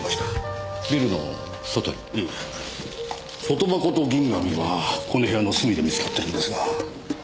外箱と銀紙はこの部屋の隅で見つかってるんですが。